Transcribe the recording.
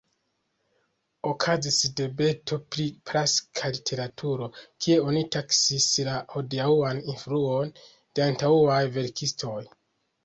Okazis debato pri klasika literaturo, kie oni taksis la hodiaŭan influon de antaŭaj verkistoj.